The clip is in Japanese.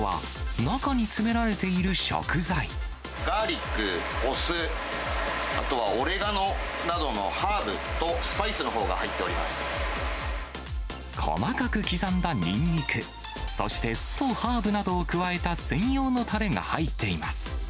特長は、ガーリック、お酢、あとはオレガノなどのハーブとスパイスのほうが入っており細かく刻んだニンニク、そして酢とハーブなどを加えた専用のたれが入っています。